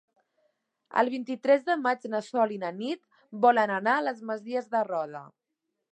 El vint-i-tres de maig na Sol i na Nit volen anar a les Masies de Roda.